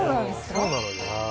そうなのよ。